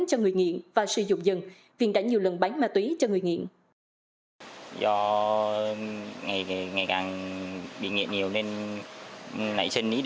cho người nghiện và sử dụng dân huyện đã nhiều lần bán ma túy cho người nghiện